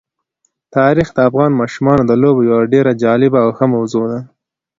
تاریخ د افغان ماشومانو د لوبو یوه ډېره جالبه او ښه موضوع ده.